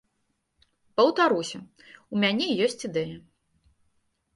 Паўтаруся, у мяне ёсць ідэя.